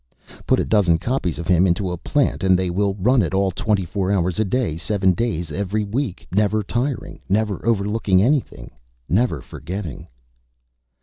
Put a dozen copies of him into a plant and they will run it all, twenty four hours a day, seven days of every week, never tiring, never overlooking anything, never forgetting....